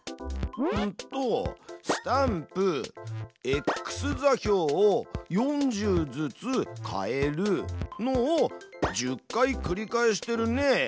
えっとスタンプｘ座標を４０ずつ変えるのを１０回繰り返してるね。